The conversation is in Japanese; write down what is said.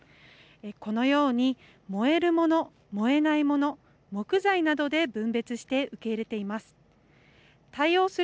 このように燃えるもの、燃えないもの木材などで分別して受け入れています。